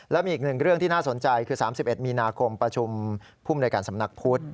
และมีอีกหนึ่งเรื่องที่น่าสนใจคือ๓๑มีนาคมประชุมภูมิในการสำนักพุทธ